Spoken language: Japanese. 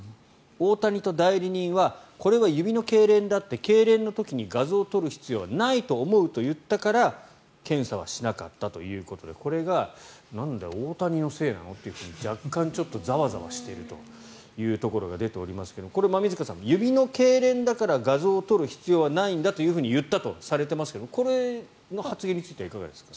大谷と代理人はこれは指のけいれんだけいれんの時に画像を撮る必要はないと思うと言ったから検査はしなかったということでこれがなんだよ、大谷のせいなの？って若干、ちょっとざわざわしているところが出ていますが馬見塚さん、指のけいれんだから画像を撮る必要はないんだと言ったとされてますがこの発言についてはいかがですか？